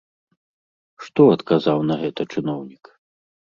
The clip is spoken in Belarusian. Што адказаў на гэта чыноўнік?